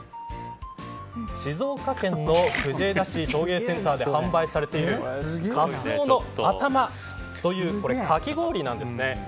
静岡県の藤枝市陶芸センターで販売されているかつおのあたまというかき氷なんですね。